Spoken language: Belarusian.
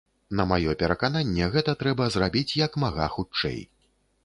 На маё перакананне гэта трэба зрабіць як мага хутчэй.